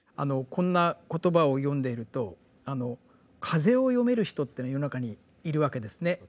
こんな言葉を読んでいると風を読める人っていうのは世の中にいるわけですね。